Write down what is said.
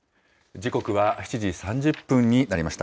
時刻は７時３０分になりました。